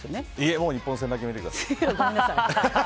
もう日本戦だけ見てください。